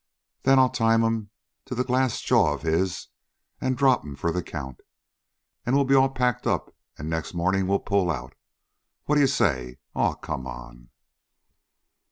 Then I'll time 'm to that glass jaw of his an' drop 'm for the count. An' we'll be all packed up, an' next mornin' we'll pull out. What d'ye say? Aw, come on."